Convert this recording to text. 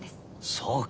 そうか。